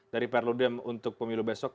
dari perludem untuk pemilu besok